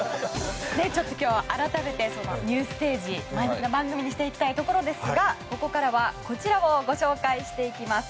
今日は改めて生ステージにいきたいところですがここからはこちらをご紹介していきます。